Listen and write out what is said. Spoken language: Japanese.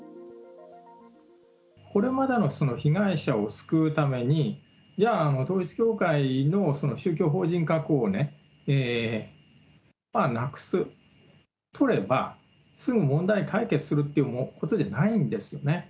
これまでの被害者を救うために、じゃあ、統一教会のその宗教法人格をまあ、なくす、取れば、すぐ問題解決するってことじゃないんですよね。